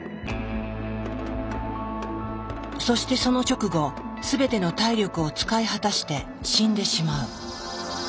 そしてその直後すべての体力を使い果たして死んでしまう。